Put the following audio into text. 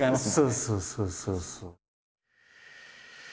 そうそうそうそう。